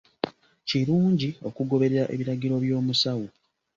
Kirungi okugoberera ebiragiro by’omusawo.